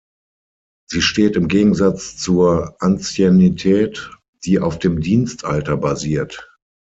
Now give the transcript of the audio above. Sie steht im Gegensatz zur Anciennität, die auf dem Dienstalter basiert.